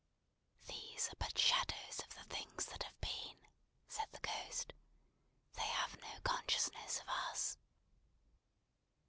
"These are but shadows of the things that have been," said the Ghost. "They have no consciousness of us."